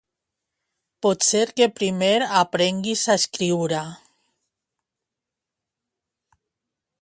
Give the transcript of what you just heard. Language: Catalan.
Potser que primer aprenguis a escriure